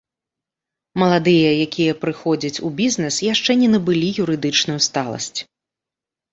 Маладыя, якія прыходзяць у бізнэс, яшчэ не набылі юрыдычную сталасць.